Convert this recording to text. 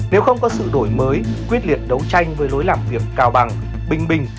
nếu không có sự đổi mới quyết liệt đấu tranh với lối làm việc cao bằng bình bình